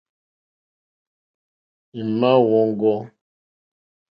Èŋmáá wɔ̀ŋɡɔ́.